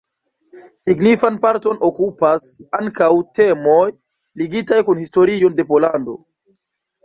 Signifan parton okupas ankaŭ temoj ligitaj kun historio de Pollando.